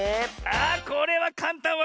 あこれはかんたん！